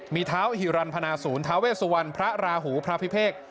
มีเท้าฮิรันพนาศูนย์ท้าเวสวรรณพระราหูพระพิเภก